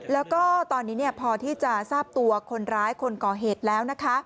แล้วก็ตอนนี้พอที่จะทราบตัวคนร้ายคนก่อเหตุแล้วนะคะ